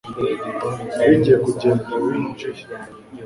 Nari ngiye kugenda winjiye